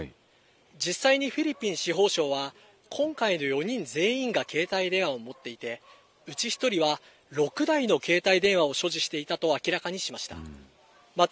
実際にフィリピン司法相は、今回の４人全員が携帯電話を持っていて、うち１人は６台の携帯電話を所持していたと明らかにしました。